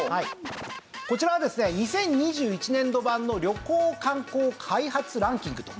こちらはですね２０２１年度版の旅行・観光開発ランキングと。